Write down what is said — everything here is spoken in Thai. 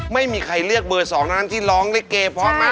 ไม่มีใครเลือกเบอร์๒นั้นที่ร้องลิเกพอมาก